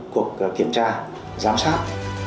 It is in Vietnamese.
cuộc kiểm tra giám sát